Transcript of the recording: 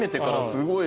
すごい。